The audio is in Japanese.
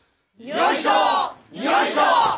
よいしょ！